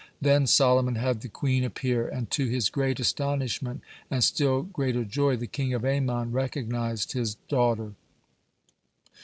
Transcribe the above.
Then Solomon had the queen appear, and to his great astonishment and still greater joy the king of Ammon recognized his daughter.